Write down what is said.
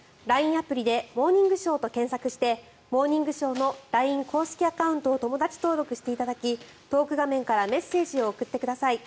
アプリで「モーニングショー」と検索をして「モーニングショー」のＬＩＮＥ公式アカウントを友だち登録していただきトーク画面からメッセージを送ってください。